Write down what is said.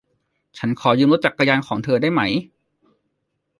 ฉันขอยืมรถจักรยานของเธอได้ไหม